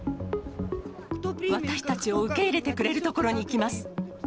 私たちを受け入れてくれる所に行きます。